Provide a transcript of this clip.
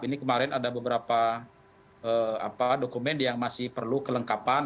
ini kemarin ada beberapa dokumen yang masih perlu kelengkapan